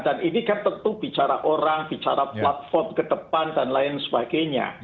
dan ini kan tentu bicara orang bicara platform ke depan dan lain sebagainya